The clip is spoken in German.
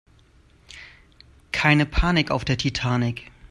Keine Panik auf der Titanic!